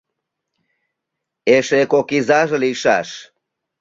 — Эше кок изаже лийшаш.